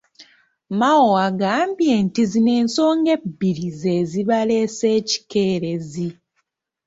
Mao agambye nti zino ensonga ebbiri ze zibaleese ekikeerezi.